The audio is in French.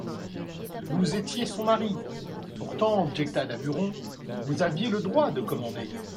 Vous étiez son mari, pourtant, objecta Daburon, vous aviez le droit de commander.